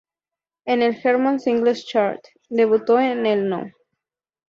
En el German Singles Chart, debutó en el No.